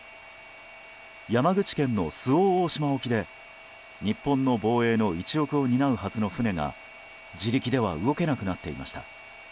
山口県の周防大島沖で、日本の防衛の一翼を担うはずの船が自力では動けなくなっていました。